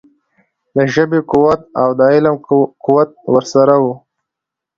د ژبې قوت او د علم قوت ورسره وو.